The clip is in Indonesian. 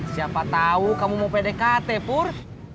siapa tahu kamu mau pdkt pur